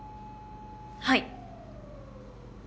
はい。